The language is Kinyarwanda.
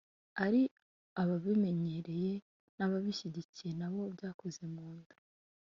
ari ababibemereye banabishyigikiye, n’abo byakoze mu nda.